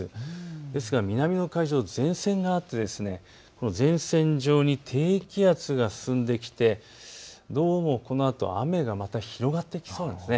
ですから南の海上、前線があって前線上に低気圧が進んできて、どうもこのあと雨がまた広がってきそうなんです。